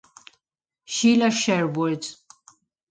Sheila Sherwood